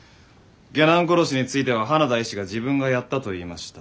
下男殺しについては花田医師が自分がやったと言いました。